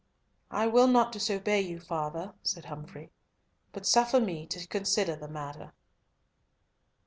"I will not disobey you, father," said Humfrey, "but suffer me to consider the matter."